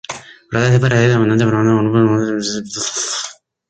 Brota de cepa y raíz abundantemente, formando grupos o matas densas con múltiples pies.